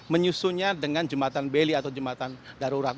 menyusunnya dengan jembatan beli atau jembatan darurat